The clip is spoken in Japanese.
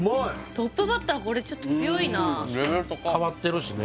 トップバッターちょっと強いなレベル高っ変わってるしね